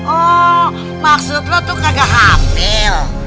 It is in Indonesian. oh maksud lu tuh kagak hampir